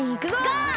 ゴー！